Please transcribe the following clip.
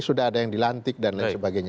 sudah ada yang dilantik dan lain sebagainya